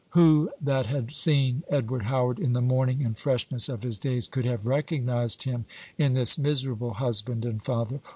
Who, that had seen Edward Howard in the morning and freshness of his days, could have recognized him in this miserable husband and father?